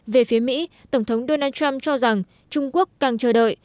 về phía mỹ tổng thống donald trump cho rằng trung quốc càng chờ đợi